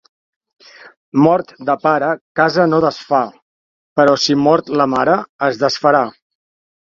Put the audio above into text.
Mort de pare casa no desfà, però si mort la mare es desfarà.